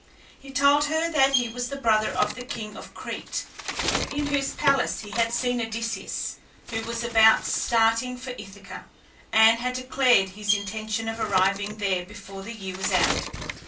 He told her that he was the brother of the king of Crete, in whose palace he had seen Odysseus, who was about starting for Ithaca, and had declared his intention of arriving there before the year was out.